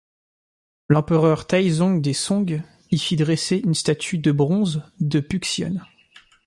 L’empereur Taizong des Song y fit dresser une statue de bronze de Puxian.